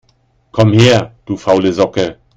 Komm her, du faule Socke!